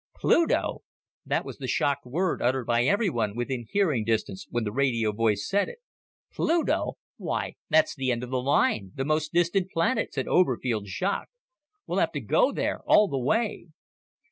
"Pluto!" That was the shocked word uttered by everyone within hearing distance when the radio voice said it. "Pluto! Why, that's the end of the line! The most distant planet," said Oberfield, shocked. "We'll have to go there all the way!"